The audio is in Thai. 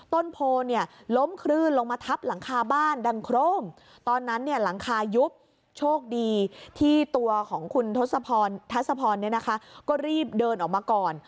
ต้นโพเนี่ยล้มคลื่นลงมาทับหลังคาบ้านดังโครมตอนนั้นเนี่ยหลังคายุบโชคดีที่ตัวของคุณทศพรทัศพรก็รีบเดินออกมาก่อน